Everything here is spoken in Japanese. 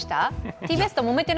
ＴＢＳともめてない？